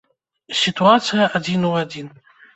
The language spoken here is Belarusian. Сітуацыя адзін у адзін.